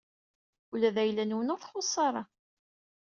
Ula d ayla-nwen ur txuṣṣ ara.